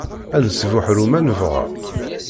Ad nesbuḥru ma nebɣa.